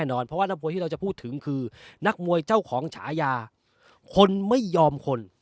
เพราะว่านักมวยที่เราจะพูดถึงคือนักมวยเจ้าของฉายาคนไม่ยอมคน